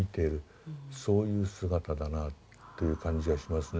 そういう姿だなという感じはしますね。